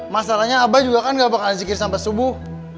masalahnya abah juga kan gak bakalan zikir sampai subuh